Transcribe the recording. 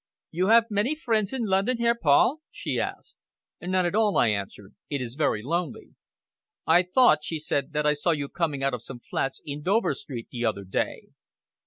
"You have many friends in London, Herr Paul?" she asked. "None at all," I answered. "It is very lonely." "I thought," she said, "that I saw you coming out of some flats in Dover Street the other day."